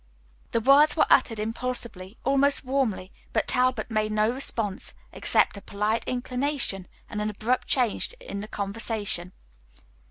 The words were uttered impulsively, almost warmly, but Talbot made no response, except a polite inclination and an abrupt change in the conversation.